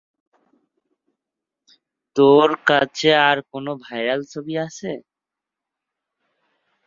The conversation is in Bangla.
তোর কাছে আর কোনো ভাইরাল ছবি আছে?